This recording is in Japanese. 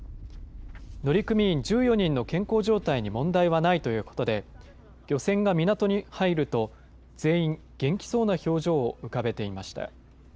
乗組員１４人の健康状態に問題はないということで、漁船が港に入ると、全員、元気そうな表情を浮かべていました。